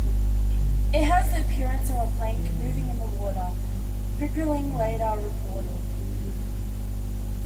"It had the appearance of a plank moving in the water," Pickering later reported.